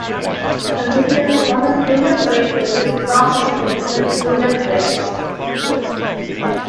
The city's public school district is the Clarkston Community School District.